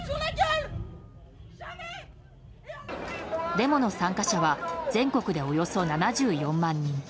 デモの参加者は全国でおよそ７４万人。